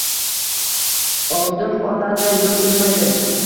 Odim otadi, yo`l unmaydi